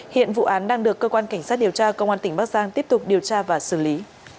hiện vụ án đang được cơ quan cảnh sát điều tra công an tỉnh bắc giang tiếp tục điều tra và xử lý